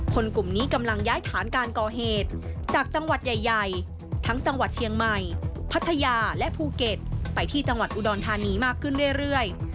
กลุ่มนี้กำลังย้ายฐานการก่อเหตุจากจังหวัดใหญ่ทั้งจังหวัดเชียงใหม่พัทยาและภูเก็ตไปที่จังหวัดอุดรธานีมากขึ้นเรื่อย